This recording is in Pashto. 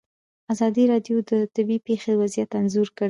ازادي راډیو د طبیعي پېښې وضعیت انځور کړی.